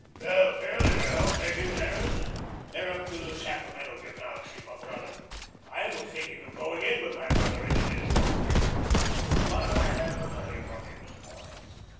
"Why, fairly well, thank you, Harran. They're up to Sacramento just now to see my brother. I was thinking of going in with my brother into this hop business. But I had a letter from him this morning.